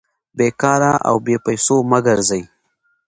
بې کاره او بې پېسو مه ګرځئ!